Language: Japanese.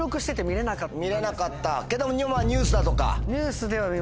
見れなかったけどニュースだとか？